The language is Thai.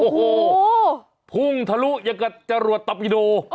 โอ้โหพุ่งทะลุอย่างกับจรวดตะปิโด